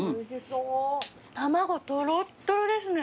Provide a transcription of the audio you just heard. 卵とろっとろですね。